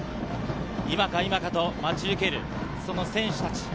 今か今かと待ち受ける、その選手たち。